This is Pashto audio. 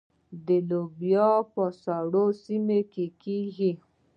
لوبیا په سړو سیمو کې کیږي.